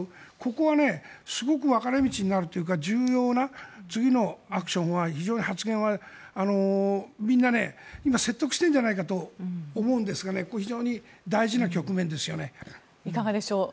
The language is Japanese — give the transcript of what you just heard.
ここはすごく分かれ道になるというか、重要な次のアクションは発言はみんな今、説得してるんじゃないかと思うんですがいかがでしょう？